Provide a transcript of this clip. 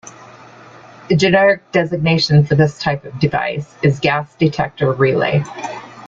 A generic designation for this type of device is "gas detector relay".